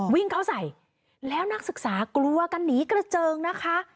วิ่งเข้าใส่แล้วนักศึกษากลัวกันหนีกระเจิงนะคะ